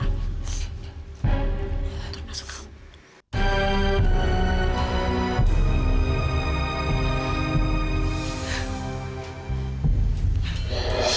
turun masuk kak